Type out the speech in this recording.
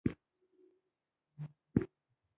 پاچا شي.